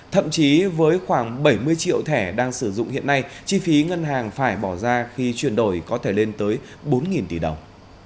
thậm chí với khoảng bảy mươi triệu thẻ đang sử dụng hiện nay chi phí ngân hàng phải bỏ ra khi chuyển đổi có thể lên tới bốn tỷ đồng